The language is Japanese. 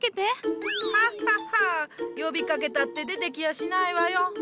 ハッハッハ呼びかけたって出てきやしないわよ。